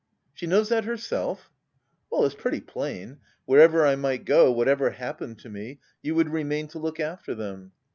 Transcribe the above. "She knows that herself?" "Well, it's pretty plain. Wherever I might go, whatever happened to me, you would remain to look after them.